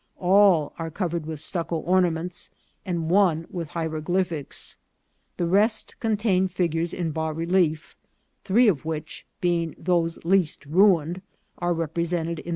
All are covered with stucco ornaments, and one with hieroglyphics. The rest contain figures in bas relief, three of which, being those least ruined, are represented in the opposite plates.